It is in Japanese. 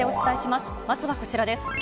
まずはこちらです。